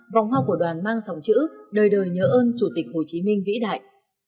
vòng hoa của đoàn mang dòng chữ đời đời nhớ ơn chủ tịch hồ chí minh vĩ đại